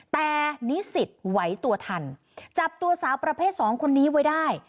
แต่นิสิตไหวตัวทันจับตัวสาวประเภทสองคนนี้ไว้ได้